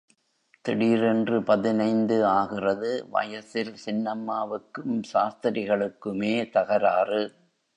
திடீரென்று பதினைந்து ஆகிறது வயசில் சின்னம்மாவுக்கும் சாஸ்திரிகளுக்குமே தகராறு.